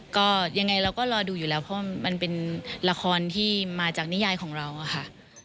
ก็ยังไงเราก็รอดูอยู่แล้วเพราะมันเป็นละครที่มาจากนิยายของเราอะค่ะ